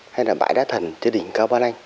hay là bãi đá thần trên đỉnh cao ban anh